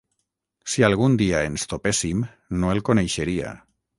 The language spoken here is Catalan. Si algun dia ens topéssim, no el coneixeria.